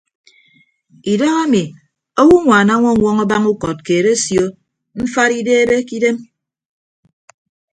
Idahaemi owoññwaan añwọñwọñ abañ ukọt keed asio mfat ideebe ke idem.